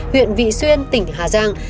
huyện vị xuyên tỉnh hà giang